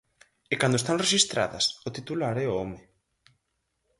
E cando están rexistradas, o titular é o home.